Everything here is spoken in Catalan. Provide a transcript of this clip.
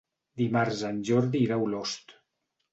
Dimarts en Jordi irà a Olost.